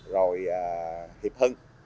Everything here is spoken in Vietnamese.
rồi hiệp hưng